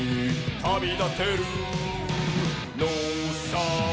「旅立てるのさ」